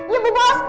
iya bu bos